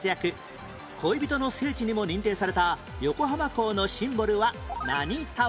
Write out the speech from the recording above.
恋人の聖地にも認定された横浜港のシンボルは何タワー？